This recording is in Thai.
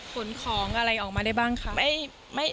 ขนของอะไรออกมาได้บ้างคะ